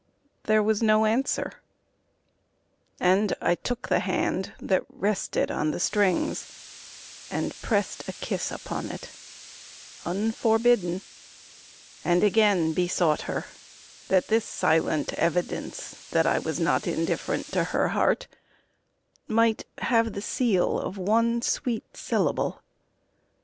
There was no answer, and I took the hand That rested on the strings, and pressed a kiss Upon it unforbidden and again Besought her, that this silent evidence That I was not indifferent to her heart, Might have the seal of one sweet syllable.